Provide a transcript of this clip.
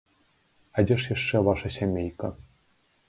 А дзе ж яшчэ ваша сямейка?